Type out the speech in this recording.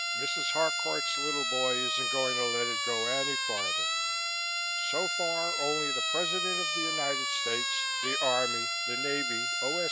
"Mrs. Harcourt's little boy isn't going to let it go any farther. So far, only the President of the United States, the Army, the Navy, O.